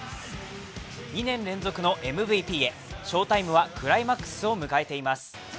２年連続のＭＶＰへ、ＳＨＯＷＴＩＭＥはクライマックスを迎えています。